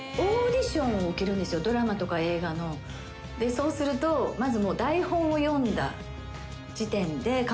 「そうするとまず」